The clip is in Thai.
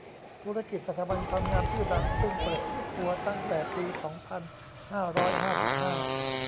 ธุรกิจสถาบันความงามชื่อดัง ซึ่งเปิดตัวตั้งแต่ปี สองพันห้าร้อยห้าสิบห้า